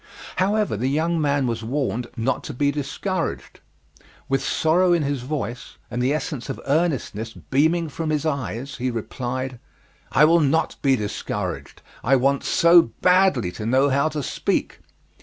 However, the young man was warned not to be discouraged. With sorrow in his voice and the essence of earnestness beaming from his eyes, he replied: "I will not be discouraged! I want so badly to know how to speak!"